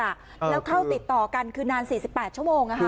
แล้วเข้าติดต่อกันคือนาน๔๘ชั่วโมง